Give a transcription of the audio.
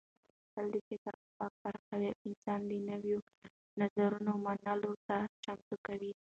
لوستل د فکر افق پراخوي او انسان د نوو نظرونو منلو ته چمتو کوي.